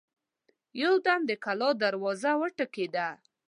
يودم د کلا دروازه وټکېده.